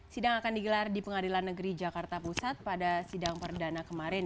sidang akan digelar di pengadilan negeri jakarta pusat pada sidang perdana kemarin